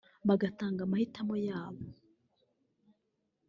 bagatanga amahitamo yabo